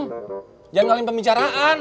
jangan ngalamin pembicaraan